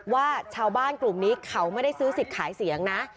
ว่าชาวบ้านกลุ่มนี้เขาไม่ได้ซื้อสิทธิ์ขายเสียงนะ